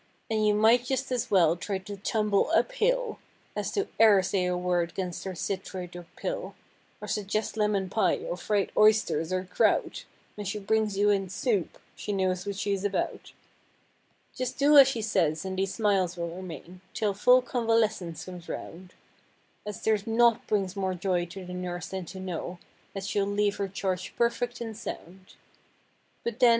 And you might just as well try to tumble up hill As to e'er say a word 'gainst her citrate or pill; Or suggest lemon pie, or fried oysters or kraut, When she brings you in "soup," she knows what she's about. Just do as she says and these smiles will remain 'Till full convalescence comes round; As there's naught brings more joy to the nurse than to know That she'll leave her charge perfect and sound. But then!